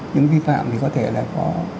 những vi phạm thì có thể là có